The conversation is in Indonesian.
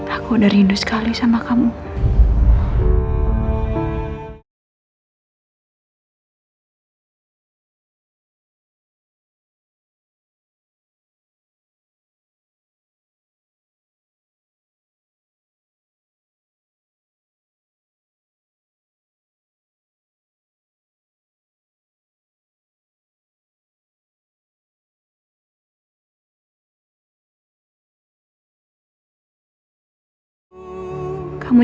aku udah rindu sekali sama kamu